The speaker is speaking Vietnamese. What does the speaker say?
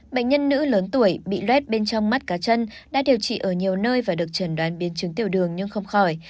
bệnh nhân nữ lớn tuổi bị luet bên trong mắt cá chân đã điều trị ở nhiều nơi và được trần đoán biến chứng tiểu đường nhưng không khỏi